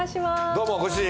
どうもご主人。